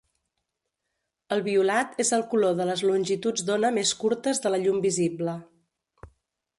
El violat és el color de les longituds d'ona més curtes de la llum visible.